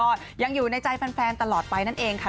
ก็ยังอยู่ในใจแฟนตลอดไปนั่นเองค่ะ